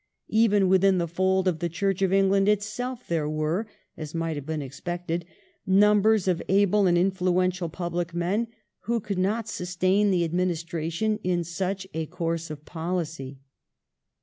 394 THE EEIGN OF QUEEN ANNE. oh. xl. Even within the fold of the Church of England itself there were, as might have been expected, numbers of able and influential public men who could not sustain the administration in such a course of policy.